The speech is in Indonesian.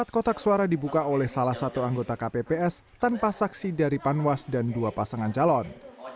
empat kotak suara dibuka oleh salah satu anggota kpps tanpa saksi dari panwas dan dua pasangan calon